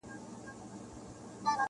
• په څو ځله لوستلو یې په معنا نه پوهېږم -